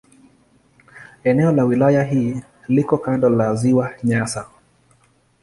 Eneo la wilaya hii liko kando la Ziwa Nyasa.